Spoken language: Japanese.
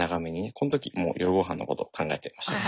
この時もう夜ごはんのこと考えてました。